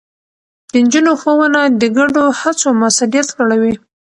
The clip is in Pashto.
د نجونو ښوونه د ګډو هڅو موثريت لوړوي.